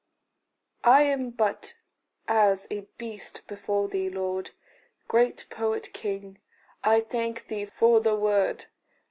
"I am but as a beast before thee, Lord." Great poet king, I thank thee for the word.